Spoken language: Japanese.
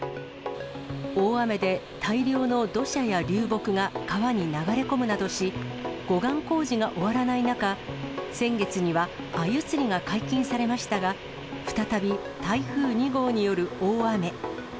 大雨で大量の土砂や流木が川に流れ込むなどし、護岸工事が終わらない中、先月にはアユ釣りが解禁されましたが、再び台風２号による大雨。